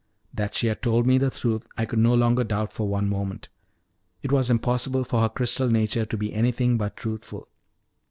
That she had told me the truth I could no longer doubt for one moment: it was impossible for her crystal nature to be anything but truthful.